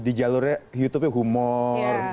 di jalurnya youtube itu humor